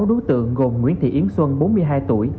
sáu đối tượng gồm nguyễn thị yến xuân bốn mươi hai tuổi